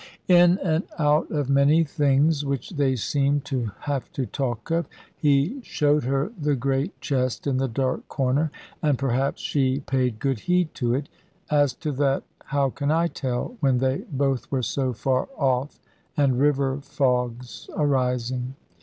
In and out of many things, which they seemed to have to talk of, he showed her the great chest in the dark corner; and perhaps she paid good heed to it. As to that, how can I tell, when they both were so far off, and river fogs arising?